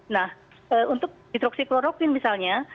nah untuk hidroksikloroquine misalnya